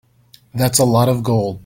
That's a lot of gold.